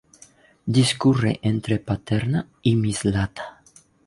Discurre entre Paterna y Mislata.